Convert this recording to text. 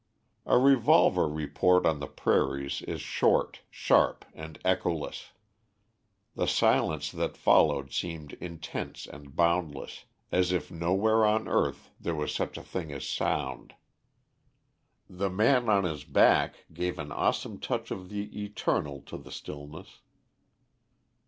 A revolver report on the prairies is short, sharp, and echoless. The silence that followed seemed intense and boundless, as if nowhere on earth there was such a thing as sound. The man on his back gave an awesome touch of the eternal to the stillness.